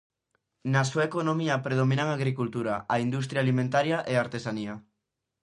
Na súa economía predominan a agricultura, a industria alimentaria e a artesanía.